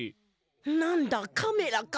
なんだカメラか。